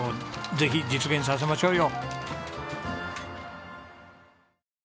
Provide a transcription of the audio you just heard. ぜひ実現させましょうよ。